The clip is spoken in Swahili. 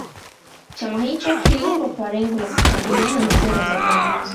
chama hicho kiliundwa kwa lengo la kukabiliana na sera za ubaguzi